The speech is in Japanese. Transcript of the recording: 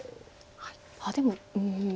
あっでもうん。